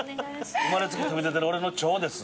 生まれつき飛び出てる俺の腸です。